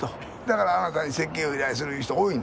だからあなたに設計を依頼する言う人多いねん。